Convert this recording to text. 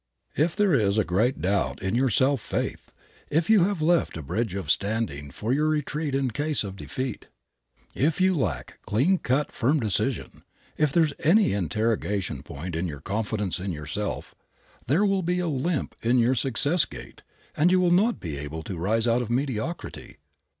If there is a great big doubt in your self faith, if you have left a bridge standing for your retreat in case of defeat, if you lack clean cut, firm decision, if there is any interrogation point in your confidence in yourself, there will be a limp in your success gait, and you will not be able to rise out of mediocrity.